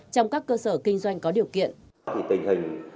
trong các cơ sở kinh doanh có điều kiện